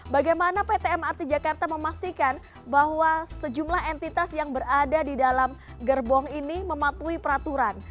bagaimana pt mrt jakarta memastikan bahwa sejumlah entitas yang berada di dalam gerbong ini mematuhi peraturan